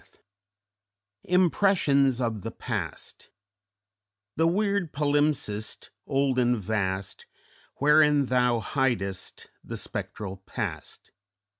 ] III IMPRESSIONS OF THE PAST "_The weird palimpsest, old and vast, Wherein thou hid'st the spectral past.